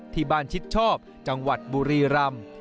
ที่บ้านชิดชอบจังหวัดบุรีรำ